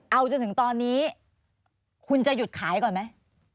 เอาจนถึงตอนนี้คุณจะหยุดขายก่อนไหม